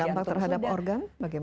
dan dampak terhadap organ bagaimana